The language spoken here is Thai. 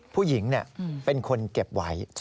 ผู้หญิงเป็นคนเก็บไว้